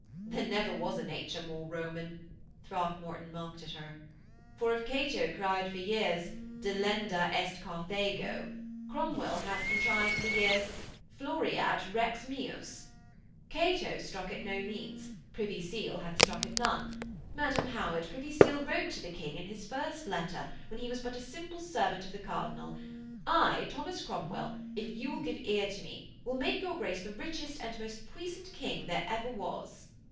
'There was never a nature more Roman,' Throckmorton mocked at her. 'For if Cato cried for years: Delenda est Carthago, Cromwell hath contrived for years: Floreat rex meus. Cato stuck at no means. Privy Seal hath stuck at none. Madam Howard: Privy Seal wrote to the King in his first letter, when he was but a simple servant of the Cardinal, "I, Thomas Cromwell, if you will give ear to me, will make your Grace the richest and most puissant king ever there was."